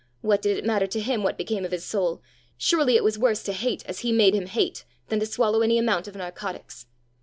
What did it matter to him what became of his soul! Surely it was worse to hate as he made him hate than to swallow any amount of narcotics!